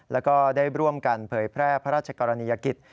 แล้วก็ได้ร่วมกันเผยแพร่พระราชกรณียกิจ